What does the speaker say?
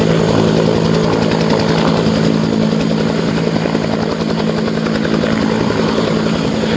และที่สุดท้ายและที่สุดท้าย